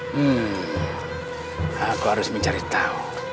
hmm aku harus mencari tahu